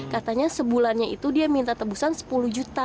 katanya sebulannya itu dia minta tebusan sepuluh juta